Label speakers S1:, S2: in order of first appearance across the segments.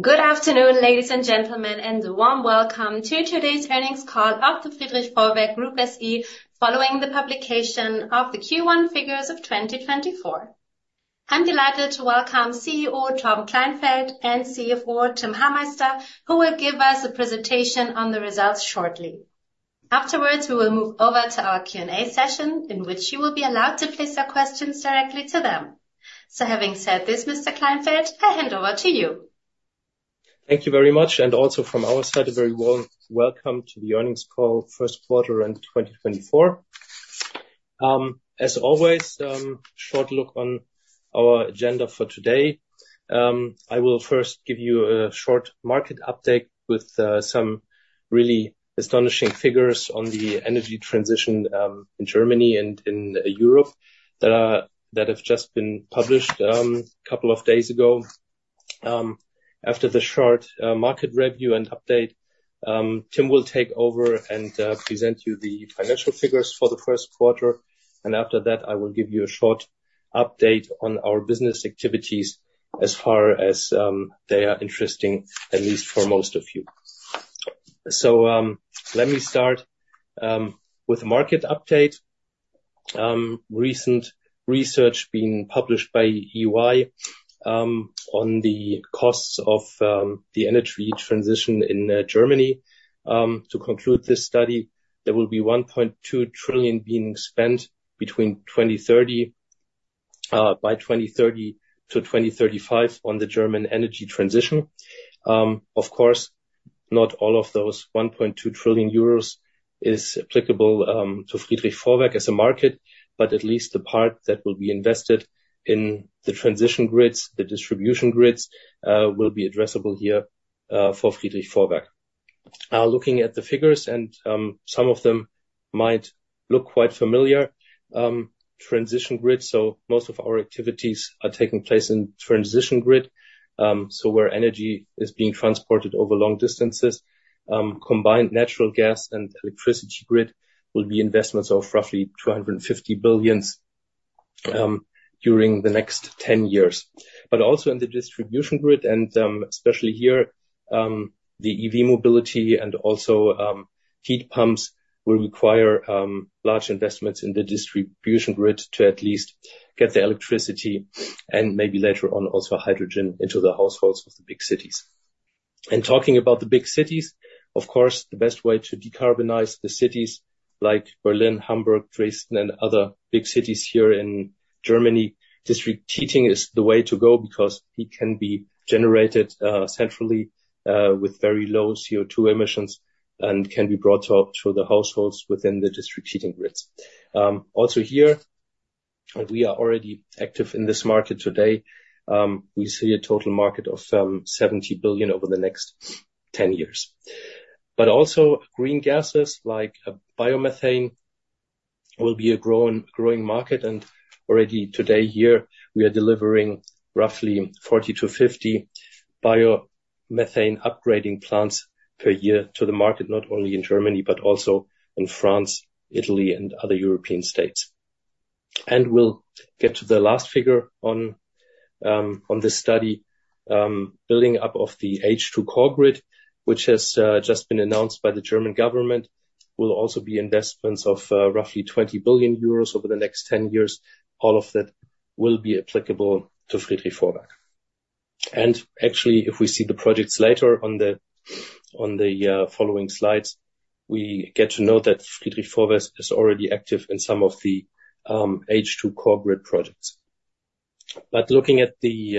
S1: Good afternoon, ladies and gentlemen, and a warm welcome to today's earnings call of the Friedrich Vorwerk Group SE following the publication of the Q1 figures of 2024. I'm delighted to welcome CEO Torben Kleinfeldt and CFO Tim Hameister, who will give us a presentation on the results shortly. Afterwards, we will move over to our Q&A session, in which you will be allowed to place your questions directly to them. Having said this, Mr. Kleinfeldt, I hand over to you.
S2: Thank you very much, and also from our side, a very warm welcome to the earnings call, first quarter 2024. As always, short look on our agenda for today. I will first give you a short market update with some really astonishing figures on the energy transition in Germany and in Europe that have just been published a couple of days ago. After the short market review and update, Tim will take over and present you the financial figures for the first quarter. After that, I will give you a short update on our business activities as far as they are interesting, at least for most of you. So let me start with a market update. Recent research being published by EY on the costs of the energy transition in Germany. To conclude this study, there will be 1.2 trillion being spent between 2030 to 2035 on the German energy transition. Of course, not all of those 1.2 trillion euros is applicable to Friedrich Vorwerk as a market, but at least the part that will be invested in the transition grids, the distribution grids, will be addressable here for Friedrich Vorwerk. Looking at the figures, and some of them might look quite familiar, transition grids, so most of our activities are taking place in transition grid, so where energy is being transported over long distances. Combined natural gas and electricity grid will be investments of roughly 250 billion during the next 10 years. But also in the distribution grid, and especially here, the EV mobility and also heat pumps will require large investments in the distribution grid to at least get the electricity and maybe later on also hydrogen into the households of the big cities. And talking about the big cities, of course, the best way to decarbonize the cities like Berlin, Hamburg, Dresden, and other big cities here in Germany, district heating is the way to go because heat can be generated centrally with very low CO2 emissions and can be brought to the households within the district heating grids. Also here, and we are already active in this market today, we see a total market of 70 billion over the next 10 years. But also green gases like biomethane will be a growing market, and already today here, we are delivering roughly 40-50 biomethane upgrading plants per year to the market, not only in Germany but also in France, Italy, and other European states. And we'll get to the last figure on this study. Building up of the H2 core grid, which has just been announced by the German government, will also be investments of roughly 20 billion euros over the next 10 years. All of that will be applicable to Friedrich Vorwerk. And actually, if we see the projects later on the following slides, we get to know that Friedrich Vorwerk is already active in some of the H2 core grid projects. But looking at the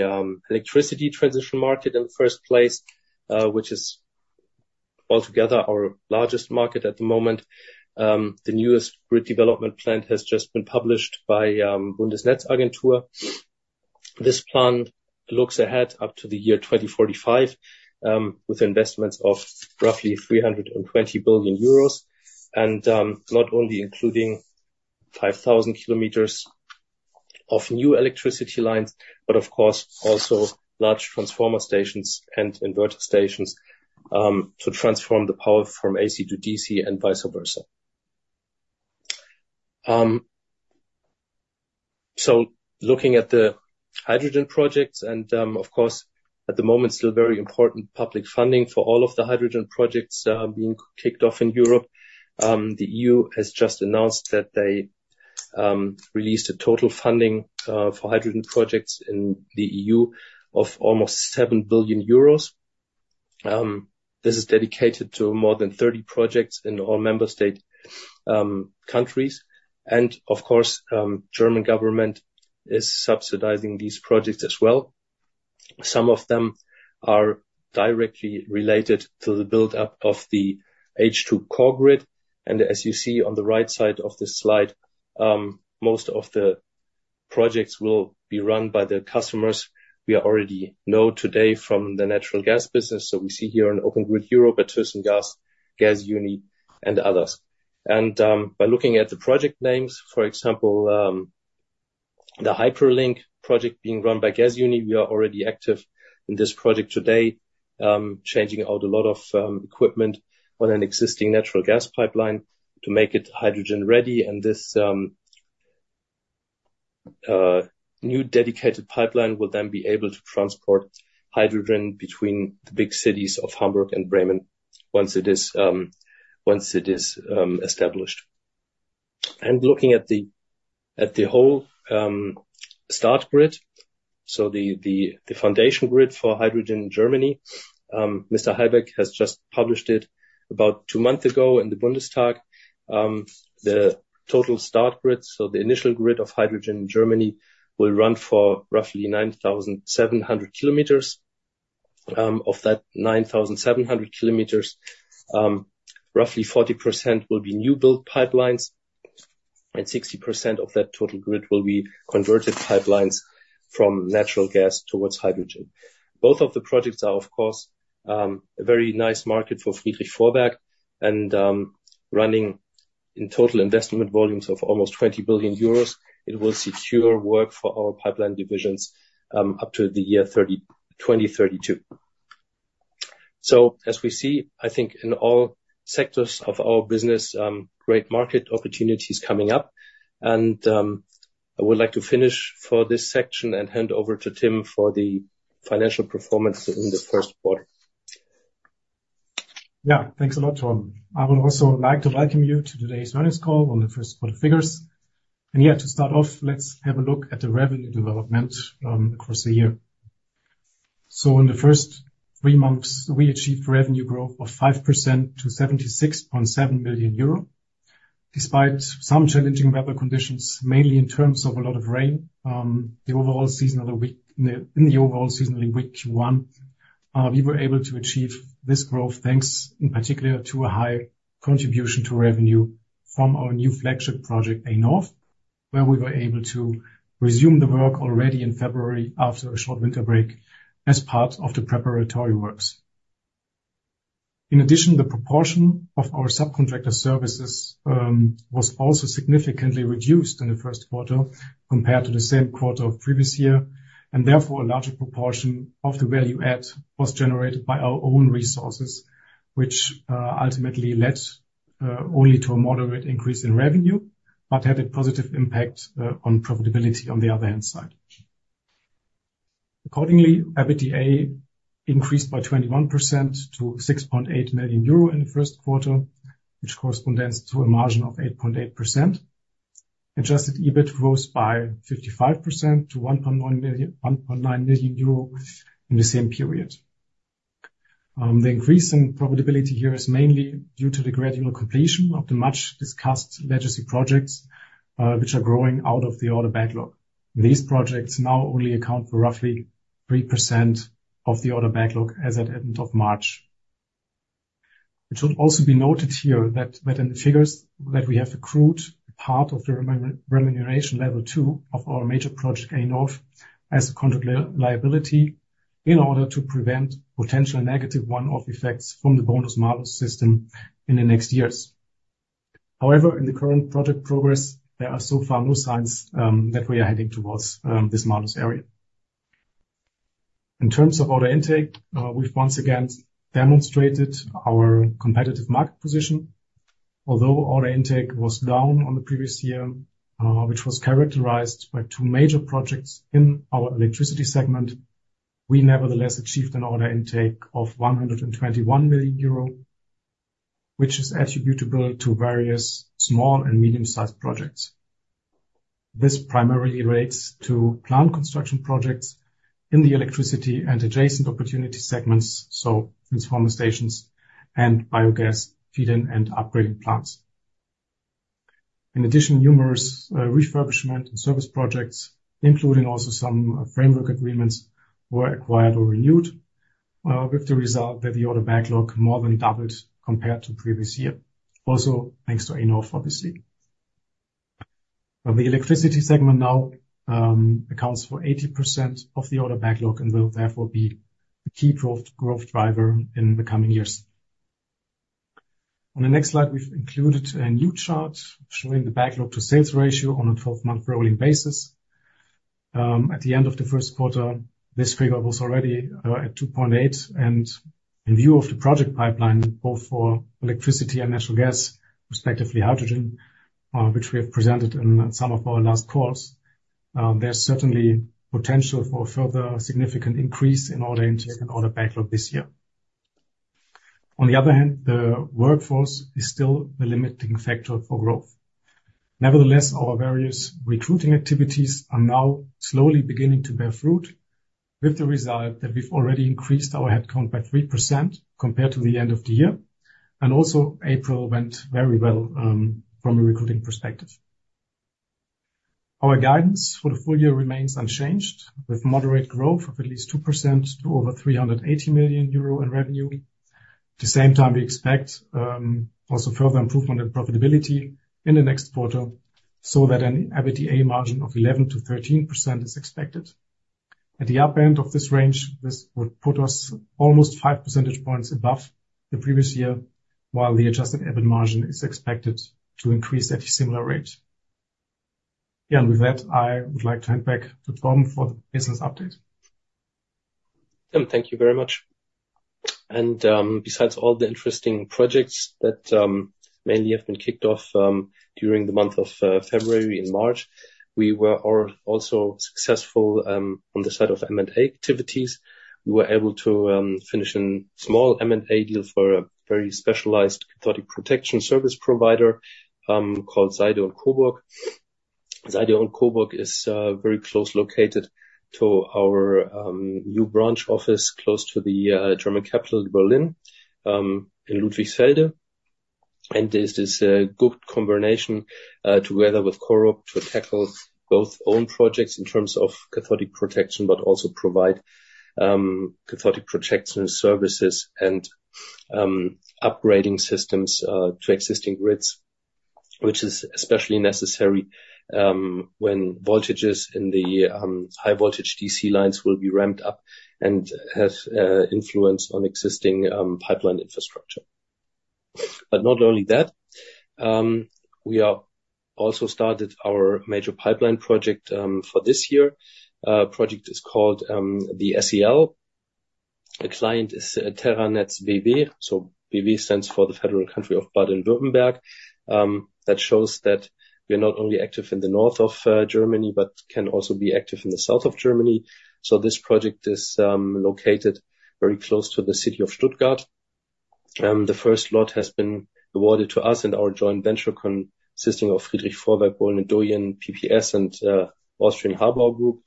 S2: electricity transition market in the first place, which is altogether our largest market at the moment, the newest grid development plan has just been published by Bundesnetzagentur. This plan looks ahead up to the year 2045 with investments of roughly 320 billion euros, and not only including 5,000 km of new electricity lines, but of course also large transformer stations and inverter stations to transform the power from AC to DC and vice versa. So looking at the hydrogen projects, and of course, at the moment, still very important public funding for all of the hydrogen projects being kicked off in Europe, the EU has just announced that they released a total funding for hydrogen projects in the EU of almost 7 billion euros. This is dedicated to more than 30 projects in all member state countries. Of course, German government is subsidizing these projects as well. Some of them are directly related to the buildup of the H2 core grid. As you see on the right side of this slide, most of the projects will be run by the customers we already know today from the natural gas business. We see here an Open Grid Europe, a Thyssengas, and others. By looking at the project names, for example, the HyperLink project being run by Gasunie, we are already active in this project today, changing out a lot of equipment on an existing natural gas pipeline to make it hydrogen ready. This new dedicated pipeline will then be able to transport hydrogen between the big cities of Hamburg and Bremen once it is established. Looking at the whole start grid, so the foundation grid for hydrogen in Germany, Mr. Habeck has just published it about two months ago in the Bundestag. The total start grid, so the initial grid of hydrogen in Germany, will run for roughly 9,700 km. Of that 9,700 km, roughly 40% will be new-built pipelines, and 60% of that total grid will be converted pipelines from natural gas towards hydrogen. Both of the projects are, of course, a very nice market for Friedrich Vorwerk. Running in total investment volumes of almost 20 billion euros, it will secure work for our pipeline divisions up to the year 2032. As we see, I think in all sectors of our business, great market opportunities coming up. I would like to finish for this section and hand over to Tim for the financial performance in the first quarter.
S3: Yeah, thanks a lot, Torben. I would also like to welcome you to today's earnings call on the first quarter figures. Yeah, to start off, let's have a look at the revenue development across the year. So in the first three months, we achieved revenue growth of 5% to 76.7 million euro. Despite some challenging weather conditions, mainly in terms of a lot of rain, the overall seasonal weakness in Q1, we were able to achieve this growth thanks, in particular, to a high contribution to revenue from our new flagship project, A-Nord, where we were able to resume the work already in February after a short winter break as part of the preparatory works. In addition, the proportion of our subcontractor services was also significantly reduced in the first quarter compared to the same quarter of previous year. Therefore, a larger proportion of the value add was generated by our own resources, which ultimately led only to a moderate increase in revenue but had a positive impact on profitability on the other hand side. Accordingly, EBITDA increased by 21% to 6.8 million euro in the first quarter, which corresponds to a margin of 8.8%. Adjusted EBIT rose by 55% to 1.9 million euros in the same period. The increase in profitability here is mainly due to the gradual completion of the much-discussed legacy projects, which are growing out of the order backlog. These projects now only account for roughly 3% of the order backlog as at the end of March. It should also be noted here that in the figures that we have accrued, part of the remuneration level two of our major project, A-Nord, as a contract liability in order to prevent potential negative one-off effects from the bonus malus system in the next years. However, in the current project progress, there are so far no signs that we are heading towards this malus area. In terms of order intake, we've once again demonstrated our competitive market position. Although order intake was down on the previous year, which was characterized by two major projects in our electricity segment, we nevertheless achieved an order intake of 121 million euro, which is attributable to various small and medium-sized projects. This primarily relates to plant construction projects in the electricity and adjacent opportunity segments, so transformer stations and biogas feed-in and upgrading plants. In addition, numerous refurbishment and service projects, including also some framework agreements, were acquired or renewed with the result that the order backlog more than doubled compared to previous year, also thanks to A-Nord, obviously. The electricity segment now accounts for 80% of the order backlog and will therefore be the key growth driver in the coming years. On the next slide, we've included a new chart showing the backlog to sales ratio on a 12-month rolling basis. At the end of the first quarter, this figure was already at 2.8. In view of the project pipeline, both for electricity and natural gas, respectively hydrogen, which we have presented in some of our last calls, there's certainly potential for further significant increase in order intake and order backlog this year. On the other hand, the workforce is still the limiting factor for growth. Nevertheless, our various recruiting activities are now slowly beginning to bear fruit with the result that we've already increased our headcount by 3% compared to the end of the year. Also, April went very well from a recruiting perspective. Our guidance for the full year remains unchanged, with moderate growth of at least 2% to over 380 million euro in revenue. At the same time, we expect also further improvement in profitability in the next quarter so that an EBITDA margin of 11%-13% is expected. At the up end of this range, this would put us almost five percentage points above the previous year, while the adjusted EBIT margin is expected to increase at a similar rate. Yeah, and with that, I would like to hand back to Torben for the business update.
S2: Tim, thank you very much. Besides all the interesting projects that mainly have been kicked off during the month of February and March, we were also successful on the side of M&A activities. We were able to finish a small M&A deal for a very specialized cathodic protection service provider called Seyde & Coburg. Seyde & Coburg is very close located to our new branch office close to the German capital, Berlin, in Ludwigsfelde. There's this good combination together with Korupp to tackle both own projects in terms of cathodic protection, but also provide cathodic protection services and upgrading systems to existing grids, which is especially necessary when voltages in the high-voltage DC lines will be ramped up and have influence on existing pipeline infrastructure. But not only that, we also started our major pipeline project for this year. The project is called the SEL. The client is terranets bw, so BV stands for the Federal Country of Baden-Württemberg. That shows that we're not only active in the north of Germany but can also be active in the south of Germany. So this project is located very close to the city of Stuttgart. The first lot has been awarded to us and our joint venture consisting of Friedrich Vorwerk, Bohlen & Doyen, PPS, and HABAU Group.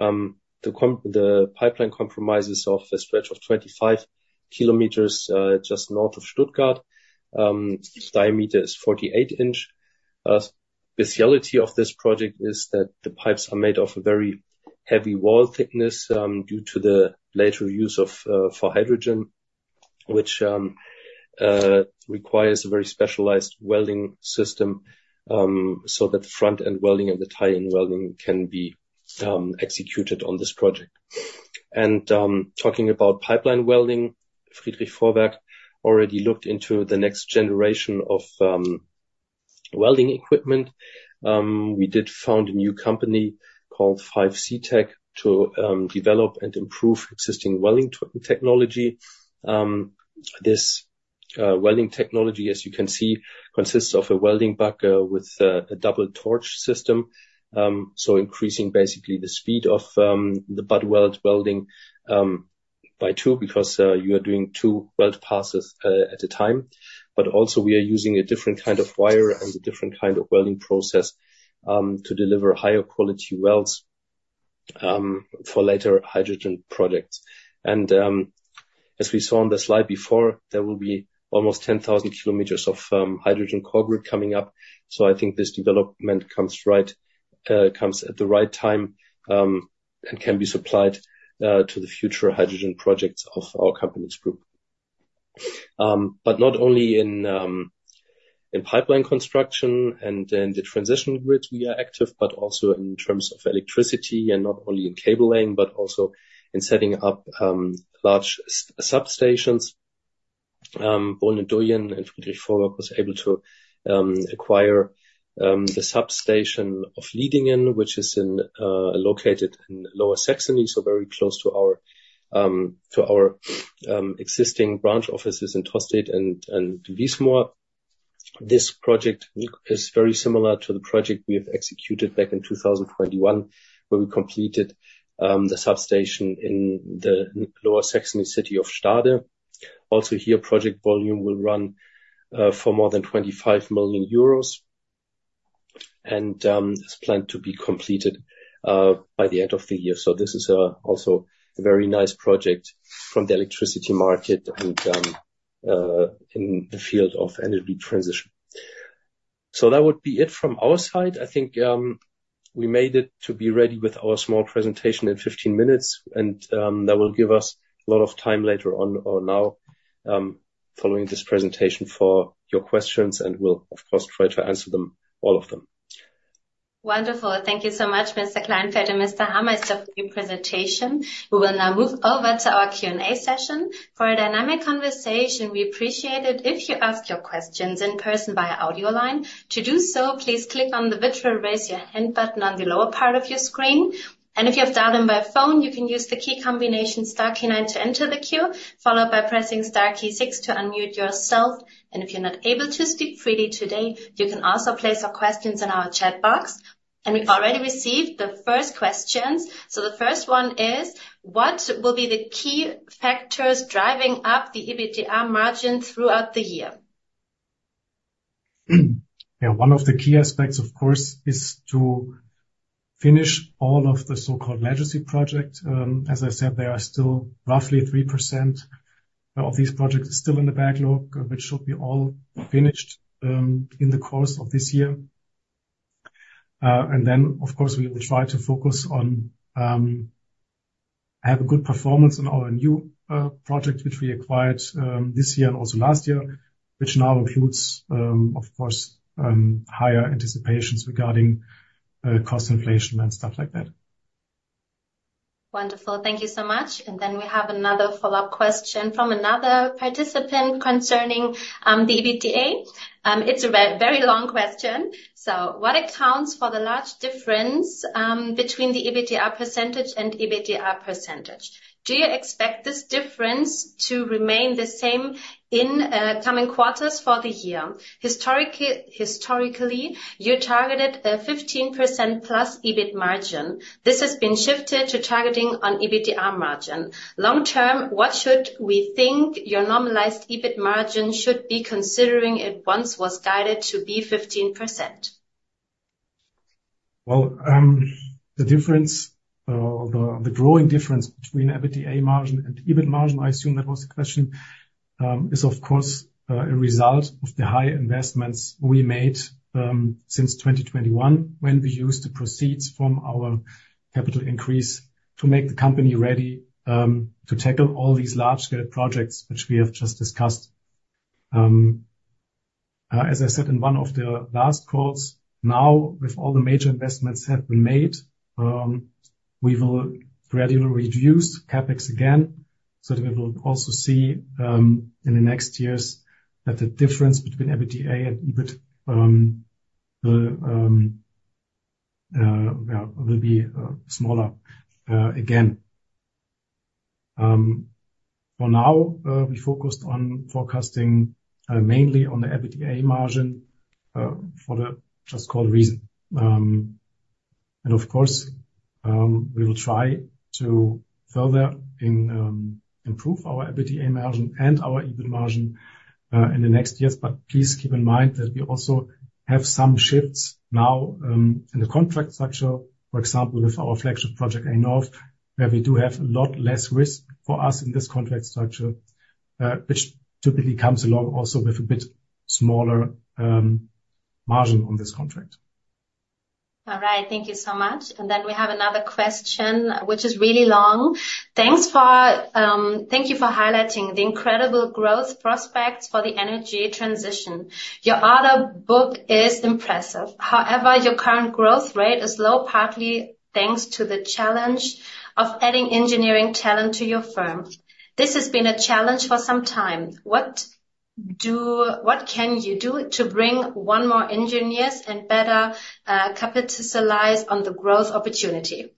S2: The pipeline comprises of a stretch of 25 km just north of Stuttgart. Diameter is 48 inches. The specialty of this project is that the pipes are made of a very heavy wall thickness due to the later use for hydrogen, which requires a very specialized welding system so that the front-end welding and the tie-in welding can be executed on this project. Talking about pipeline welding, Friedrich Vorwerk already looked into the next generation of welding equipment. We did found a new company called 5C Tech to develop and improve existing welding technology. This welding technology, as you can see, consists of a welding bucket with a double torch system, so increasing basically the speed of the butt weld welding by 2 because you are doing 2 weld passes at a time. But also, we are using a different kind of wire and a different kind of welding process to deliver higher quality welds for later hydrogen projects. As we saw on the slide before, there will be almost 10,000 km of hydrogen core grid coming up. I think this development comes at the right time and can be supplied to the future hydrogen projects of our company's group. But not only in pipeline construction and in the transition grids we are active, but also in terms of electricity and not only in cabling, but also in setting up large substations. Bohlen & Doyen and Friedrich Vorwerk were able to acquire the substation of Liedingen, which is located in Lower Saxony, so very close to our existing branch offices in Tostedt and Wiesmoor. This project is very similar to the project we have executed back in 2021, where we completed the substation in the Lower Saxony city of Stade. Also, here, project volume will run for more than 25 million euros and is planned to be completed by the end of the year. So this is also a very nice project from the electricity market and in the field of energy transition. So that would be it from our side. I think we made it to be ready with our small presentation in 15 minutes. That will give us a lot of time later on or now following this presentation for your questions, and will, of course, try to answer all of them.
S1: Wonderful. Thank you so much, Mr. Kleinfeldt and Mr. Hameister, for your presentation. We will now move over to our Q&A session. For a dynamic conversation, we appreciate it if you ask your questions in person via audio line. To do so, please click on the virtual raise your hand button on the lower part of your screen. If you have dialed in by phone, you can use the key combination star key nine to enter the queue, followed by pressing star key six to unmute yourself. If you're not able to speak freely today, you can also place your questions in our chat box. We already received the first questions. The first one is, what will be the key factors driving up the EBITDA margin throughout the year?
S3: Yeah, one of the key aspects, of course, is to finish all of the so-called legacy projects. As I said, there are still roughly 3% of these projects still in the backlog, which should be all finished in the course of this year. Then, of course, we will try to focus on having good performance on our new project, which we acquired this year and also last year, which now includes, of course, higher anticipations regarding cost inflation and stuff like that.
S1: Wonderful. Thank you so much. Then we have another follow-up question from another participant concerning the EBITDA. It's a very long question. So what accounts for the large difference between the EBITDA percentage and EBITDA percentage? Do you expect this difference to remain the same in coming quarters for the year? Historically, you targeted a 15%+ EBIT margin. This has been shifted to targeting on EBITDA margin. Long-term, what should we think your normalized EBIT margin should be considering it once was guided to be 15%?
S3: Well, the growing difference between EBITDA margin and EBIT margin, I assume that was the question, is, of course, a result of the high investments we made since 2021 when we used the proceeds from our capital increase to make the company ready to tackle all these large-scale projects, which we have just discussed. As I said in one of the last calls, now with all the major investments that have been made, we will gradually reduce CapEx again. We will also see in the next years that the difference between EBITDA and EBIT will be smaller again. For now, we focused on forecasting mainly on the EBITDA margin for the just cause reason. Of course, we will try to further improve our EBITDA margin and our EBIT margin in the next years. But please keep in mind that we also have some shifts now in the contract structure, for example, with our flagship project, A-Nord, where we do have a lot less risk for us in this contract structure, which typically comes along also with a bit smaller margin on this contract.
S1: All right. Thank you so much. And then we have another question, which is really long. Thank you for highlighting the incredible growth prospects for the energy transition. Your order book is impressive. However, your current growth rate is low, partly thanks to the challenge of adding engineering talent to your firm. This has been a challenge for some time. What can you do to bring on more engineers and better capitalize on the growth opportunity?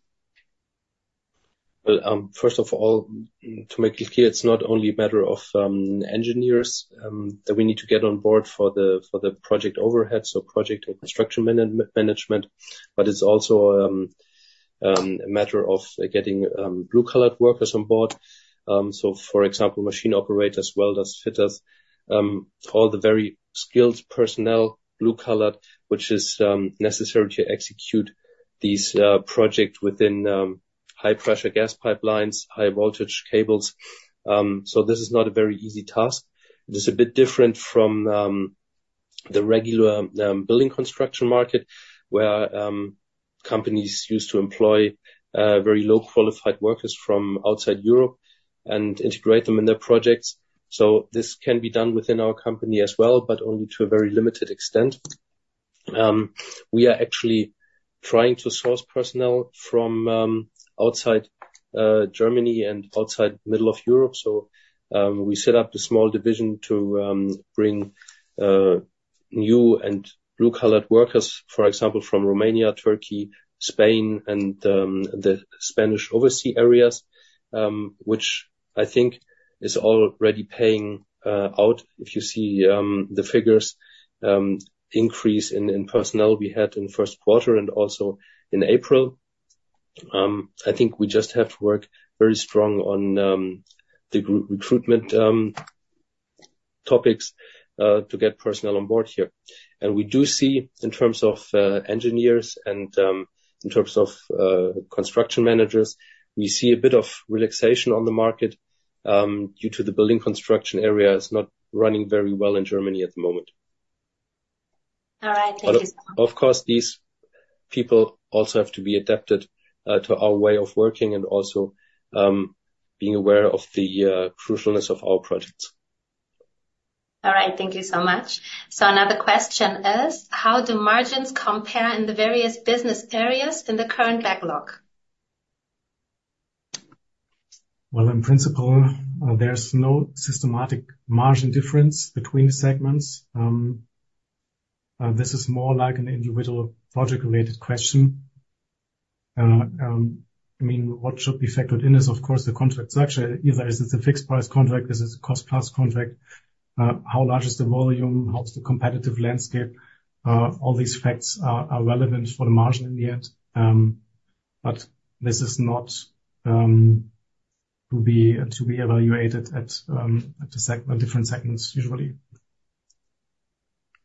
S2: Well, first of all, to make it clear, it's not only a matter of engineers that we need to get on board for the project overhead, so project and construction management, but it's also a matter of getting blue-collar workers on board. So, for example, machine operators, welders, fitters, all the very skilled personnel, blue-collar, which is necessary to execute these projects within high-pressure gas pipelines, high-voltage cables. So this is not a very easy task. It is a bit different from the regular building construction market, where companies used to employ very low-qualified workers from outside Europe and integrate them in their projects. So this can be done within our company as well, but only to a very limited extent. We are actually trying to source personnel from outside Germany and outside the middle of Europe. So we set up a small division to bring new and blue-collar workers, for example, from Romania, Turkey, Spain, and the Spanish overseas areas, which I think is already paying out if you see the figures increase in personnel we had in the first quarter and also in April. I think we just have to work very strong on the recruitment topics to get personnel on board here. And we do see, in terms of engineers and in terms of construction managers, we see a bit of relaxation on the market due to the building construction area not running very well in Germany at the moment.
S1: All right. Thank you so much.
S2: Of course, these people also have to be adapted to our way of working and also being aware of the crucialness of our projects.
S1: All right. Thank you so much. Another question is, how do margins compare in the various business areas in the current backlog?
S3: Well, in principle, there's no systematic margin difference between the segments. This is more like an individual project-related question. I mean, what should be factored in is, of course, the contract structure. Either is it a fixed-price contract or is it a cost-plus contract? How large is the volume? How is the competitive landscape? All these facts are relevant for the margin in the end. But this is not to be evaluated at different segments, usually.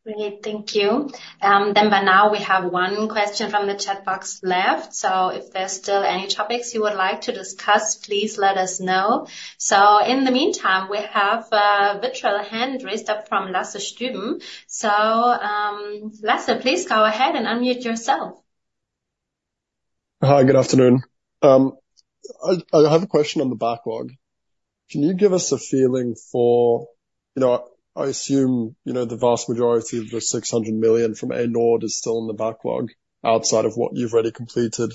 S1: Brilliant. Thank you. Then by now, we have one question from the chat box left. So if there's still any topics you would like to discuss, please let us know. So in the meantime, we have a virtual hand raised up from Lasse Stüben. So Lasse, please go ahead and unmute yourself.
S4: Hi. Good afternoon. I have a question on the backlog. Can you give us a feeling for, I assume the vast majority of the 600 million from A-Nord is still in the backlog outside of what you've already completed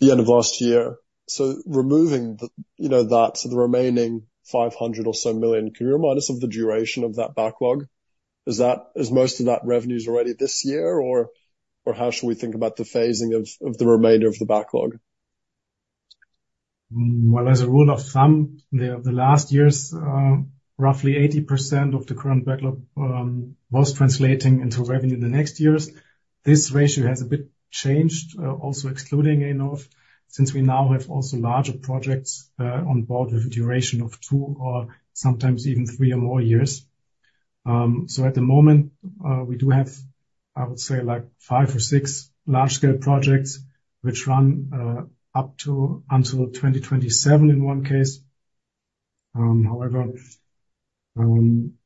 S4: the end of last year. So removing that, so the remaining 500 million or so, can you remind us of the duration of that backlog? Is most of that revenue already this year, or how should we think about the phasing of the remainder of the backlog?
S3: Well, as a rule of thumb, the last years, roughly 80% of the current backlog was translating into revenue in the next years. This ratio has a bit changed, also excluding A-Nord, since we now have also larger projects on board with a duration of two or sometimes even three or more years. So at the moment, we do have, I would say, five or six large-scale projects, which run until 2027 in one case. However, looking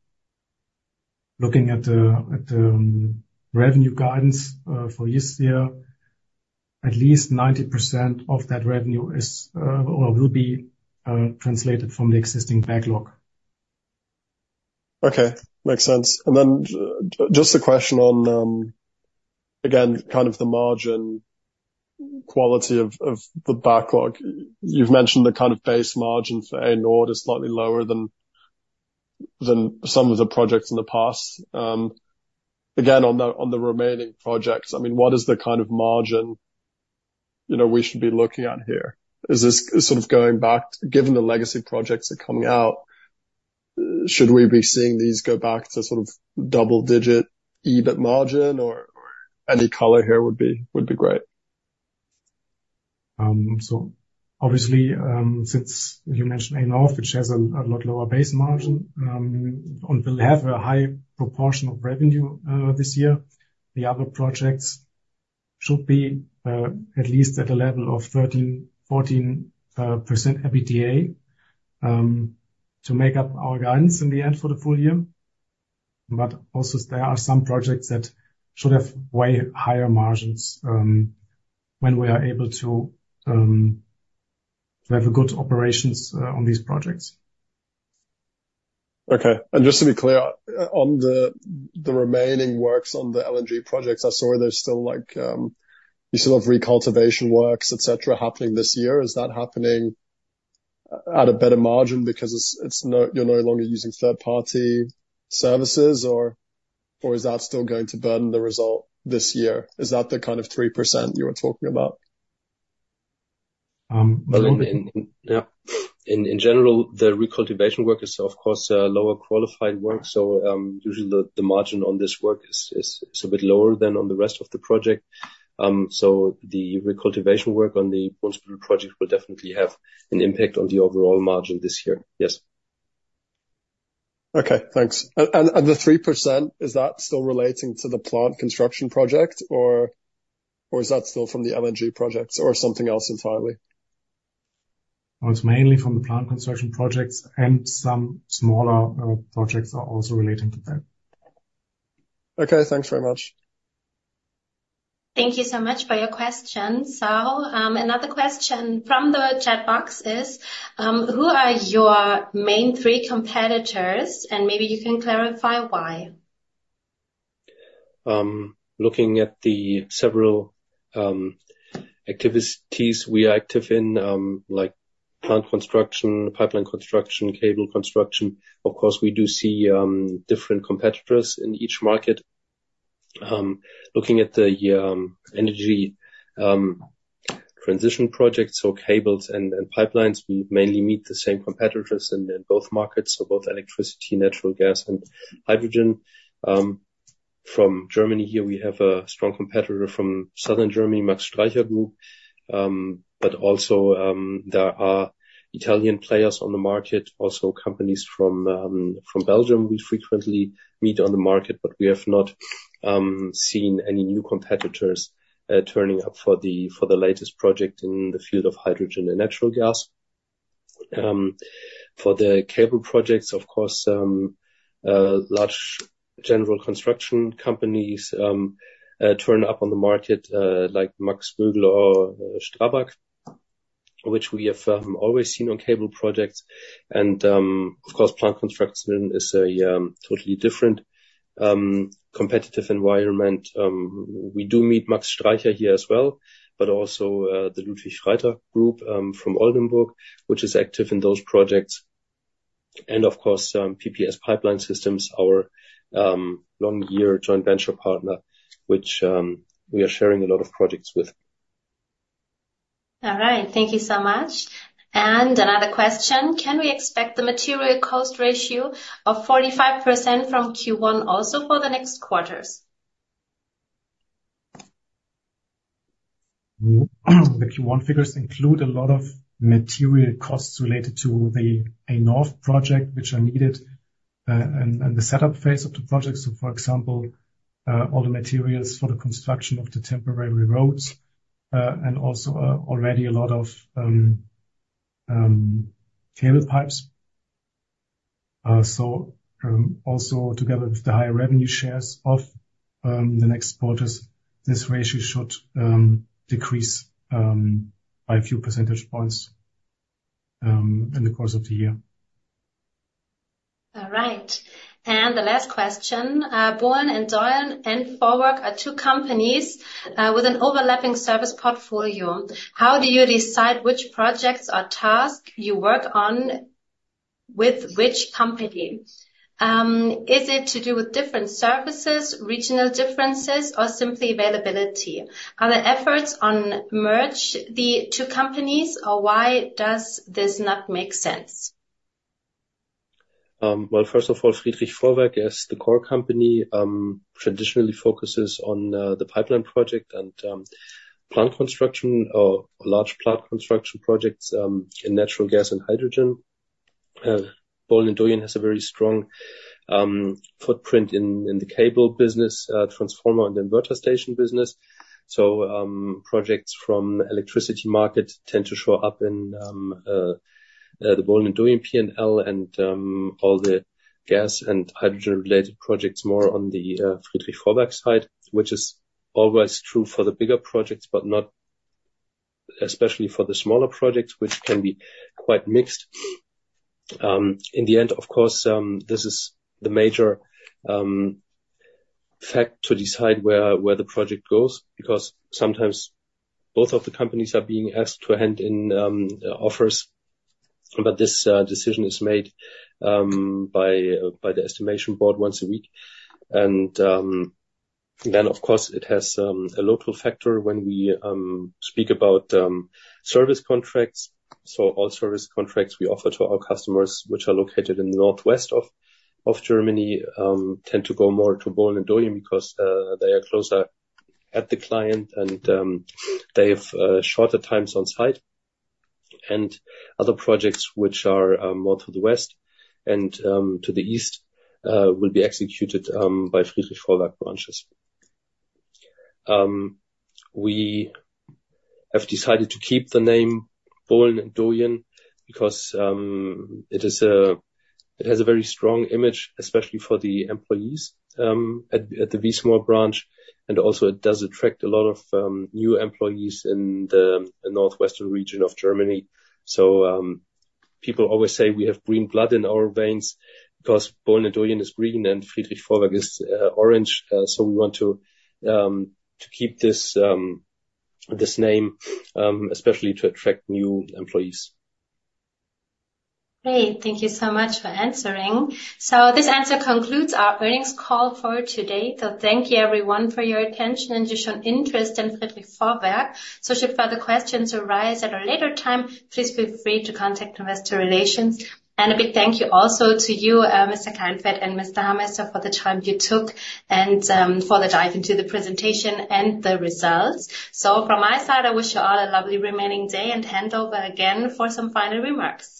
S3: at the revenue guidance for this year, at least 90% of that revenue will be translated from the existing backlog.
S4: Okay. Makes sense. Then just a question on, again, kind of the margin quality of the backlog. You've mentioned the kind of base margin for A-Nord is slightly lower than some of the projects in the past. Again, on the remaining projects, I mean, what is the kind of margin we should be looking at here? Is this sort of going back? Given the legacy projects that are coming out, should we be seeing these go back to sort of double-digit EBIT margin, or any color here would be great?
S3: Obviously, since you mentioned A-Nord, which has a lot lower base margin, we'll have a high proportion of revenue this year. The other projects should be at least at a level of 13%-14% EBITDA to make up our guidance in the end for the full year. But also, there are some projects that should have way higher margins when we are able to have good operations on these projects.
S4: Okay. And just to be clear, on the remaining works on the LNG projects, I saw there's still some of recultivation works, etc., happening this year. Is that happening at a better margin because you're no longer using third-party services, or is that still going to burden the result this year? Is that the kind of 3% you were talking about?
S2: In general, the recultivation work is, of course, lower-qualified work. Usually, the margin on this work is a bit lower than on the rest of the project. The recultivation work on the principal project will definitely have an impact on the overall margin this year. Yes.
S4: Okay. Thanks. The 3%, is that still relating to the plant construction project, or is that still from the LNG projects or something else entirely?
S3: Well, it's mainly from the plant construction projects, and some smaller projects are also relating to that.
S4: Okay. Thanks very much.
S1: Thank you so much for your questions. Another question from the chat box is, who are your main three competitors, and maybe you can clarify why?
S2: Looking at the several activities we are active in, like plant construction, pipeline construction, cable construction, of course, we do see different competitors in each market. Looking at the energy transition projects, so cables and pipelines, we mainly meet the same competitors in both markets, so both electricity, natural gas, and hydrogen. From Germany here, we have a strong competitor from southern Germany, Max Streicher Group. But also, there are Italian players on the market, also companies from Belgium we frequently meet on the market, but we have not seen any new competitors turning up for the latest project in the field of hydrogen and natural gas. For the cable projects, of course, large general construction companies turn up on the market, like Max Bögl or Strabag, which we have always seen on cable projects. And of course, plant construction is a totally different competitive environment. We do meet Max Streicher here as well, but also the Ludwig Freytag Group from Oldenburg, which is active in those projects. Of course, PPS Pipeline Systems, our long-time joint venture partner, which we are sharing a lot of projects with.
S1: All right. Thank you so much. Another question. Can we expect the material cost ratio of 45% from Q1 also for the next quarters?
S3: The Q1 figures include a lot of material costs related to the A-Nord project, which are needed in the setup phase of the project. So, for example, all the materials for the construction of the temporary roads and also already a lot of cable pipes. So also, together with the higher revenue shares of the next quarters, this ratio should decrease by a few percentage points in the course of the year.
S1: All right. The last question. Bohlen & Doyen and Vorwerk are two companies with an overlapping service portfolio. How do you decide which projects or tasks you work on with which company? Is it to do with different services, regional differences, or simply availability? Are there efforts to merge the two companies, or why does this not make sense?
S2: Well, first of all, Friedrich Vorwerk, as the core company, traditionally focuses on the pipeline project and large plant construction projects in natural gas and hydrogen. Bohlen & Doyen has a very strong footprint in the cable business, transformer and inverter station business. Projects from the electricity market tend to show up in the Bohlen & Doyen P&L and all the gas and hydrogen-related projects more on the Friedrich Vorwerk side, which is always true for the bigger projects, but not especially for the smaller projects, which can be quite mixed. In the end, of course, this is the major fact to decide where the project goes because sometimes both of the companies are being asked to hand in offers, but this decision is made by the estimation board once a week. Then, of course, it has a local factor when we speak about service contracts. So all service contracts we offer to our customers, which are located in the northwest of Germany, tend to go more to Bohlen & Doyen because they are closer at the client and they have shorter times on site. And other projects, which are more to the west and to the east, will be executed by Friedrich Vorwerk branches. We have decided to keep the name Bohlen & Doyen because it has a very strong image, especially for the employees at the Wiesmoor branch. And also, it does attract a lot of new employees in the northwestern region of Germany. So people always say we have green blood in our veins because Bohlen & Doyen is green and Friedrich Vorwerk is orange. So we want to keep this name, especially to attract new employees.
S1: Great. Thank you so much for answering. So this answer concludes our earnings call for today. So thank you, everyone, for your attention and your shown interest in Friedrich Vorwerk. So should further questions arise at a later time, please feel free to contact investor relations. And a big thank you also to you, Mr. Kleinfeldt, and Mr. Hameister, for the time you took and for the dive into the presentation and the results. So from my side, I wish you all a lovely remaining day and hand over again for some final remarks.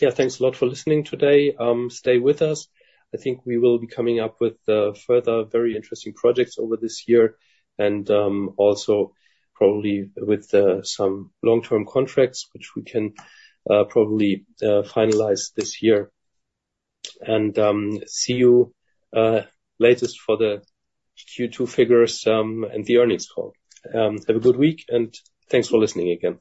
S2: Yeah. Thanks a lot for listening today. Stay with us. I think we will be coming up with further very interesting projects over this year and also probably with some long-term contracts, which we can probably finalize this year. And see you latest for the Q2 figures and the earnings call. Have a good week, and thanks for listening again.